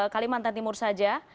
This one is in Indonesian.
kalimantan timur saja